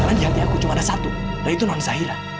karena di hati aku cuma ada satu dan itu non zaira